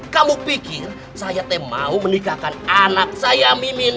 kamu pikir saya mau menikahkan anak saya mimin